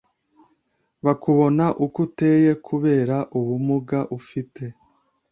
bakubona uko uteye kubera ubumuga ufite